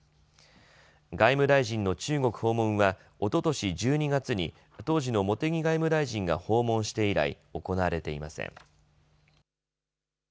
外務大臣の中国訪問はおととし１２月に当時の茂木外務大臣が訪問して以来、行われていません。